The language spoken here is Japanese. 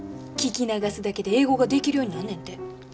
聞き流すだけで英語ができるようになんねんて。